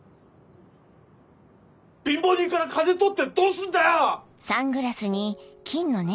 貧乏人から金取ってどうすんだよ！